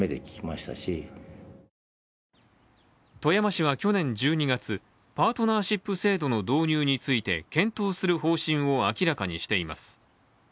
富山市は去年１２月、パートナーシップ制度の導入について検討する方針を明らかにしています。